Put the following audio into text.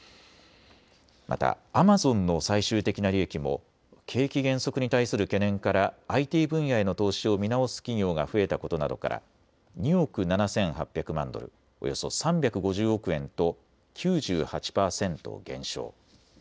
またアマゾンの最終的な利益も景気減速に対する懸念からＩＴ分野への投資を見直す企業が増えたことなどから２億７８００万ドル、およそ３５０億円と９８％減少。